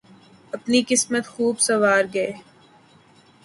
اپنی قسمت خوب سنوار گئے۔